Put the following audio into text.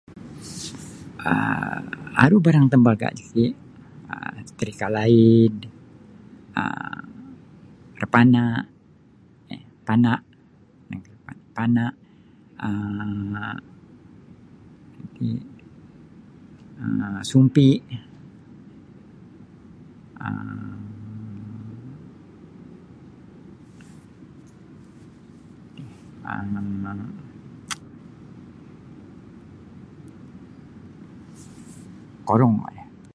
um aru barang tambaga' ti um satarika laid um rapana' rapana' rapana' um sumpi' um um korungkah iri.